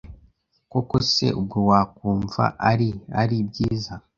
Koko se ubwo wakumva ari ari byiza?”